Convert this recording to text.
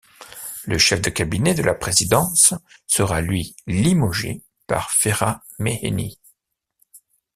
Le chef de cabinet de la présidence sera lui limogé par Ferhat Mehenni.